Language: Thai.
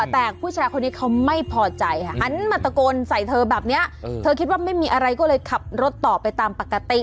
แต่ผู้ชายคนนี้เขาไม่พอใจค่ะหันมาตะโกนใส่เธอแบบนี้เธอคิดว่าไม่มีอะไรก็เลยขับรถต่อไปตามปกติ